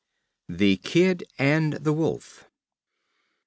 The Kid and the Wolf.